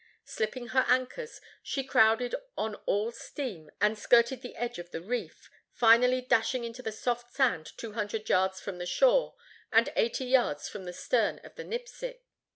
Slipping her anchors, she crowded on all steam and skirted the edge of the reef, finally dashing into the soft sand two hundred yards from the shore and eighty yards from the stern of the Nipsic.